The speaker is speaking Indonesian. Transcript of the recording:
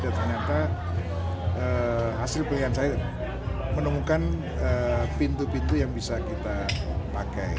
dan ternyata hasil pilihan saya menemukan pintu pintu yang bisa kita pakai